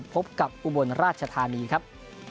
พบกับอุบลราชธานีครับ